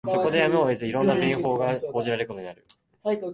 そこでやむを得ず、色んな便法が講じられることになる